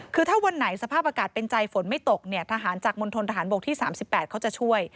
คือถ้าวันไหนสภาพอากาศเป็นใจฝนไม่ตกเนี่ยทหารจากมณฑนทหารบกที่๓๘เขาจะช่วย